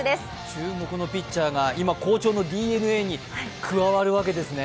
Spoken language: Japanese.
注目のピッチャーが今、好調のＤｅＮＡに加わるわけですね。